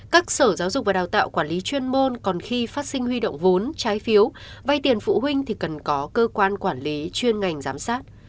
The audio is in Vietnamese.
các sở giáo dục và đào tạo quản lý chuyên môn còn khi phát sinh huy động vốn trái phiếu vay tiền phụ huynh thì cần có cơ quan quản lý chuyên ngành giám sát